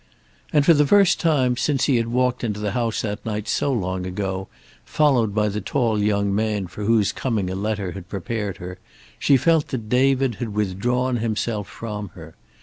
And for the first time since he had walked into the house that night so long ago, followed by the tall young man for whose coming a letter had prepared her, she felt that David had withdrawn himself from her.